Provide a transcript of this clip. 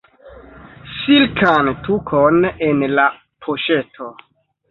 Silkan tukon en la poŝeto.